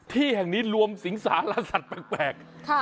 ที่แห่งนี้รวมสิงสารสัตว์แปลก